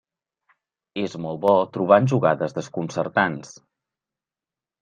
És molt bo trobant jugades desconcertants.